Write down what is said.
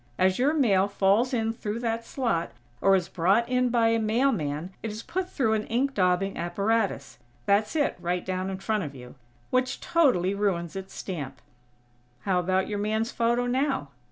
As your mail falls in through that slot, or is brought in by a mailman it is put through an ink daubing apparatus that's it, right down in front of you which totally ruins its stamp. How about your man's photo, now?"